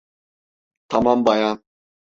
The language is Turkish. Tamam bayan.